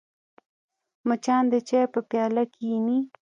مچان د چای په پیاله کښېني